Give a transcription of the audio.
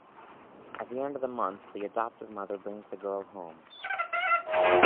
At the end of the month, the adoptive mother brings the girl home.